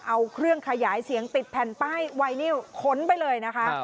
เอาเครื่องขยายเสียงติดแผ่นป้ายไวนิวค้นไปเลยนะคะ